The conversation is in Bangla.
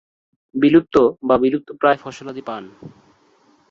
বিলুপ্ত বা বিলুপ্তপ্রায় ফসলাদি পান।